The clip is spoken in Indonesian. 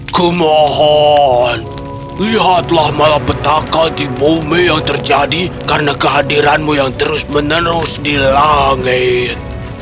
kumohon lihatlah malapetaka di bumi yang terjadi karena kehadiranmu yang terus menerus di langit